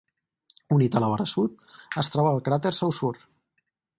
Unit a la vora sud es troba el cràter Saussure.